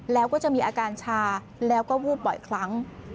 แล้วก็จะมีอาการชาแล้วก็วูบบ่อยครั้ง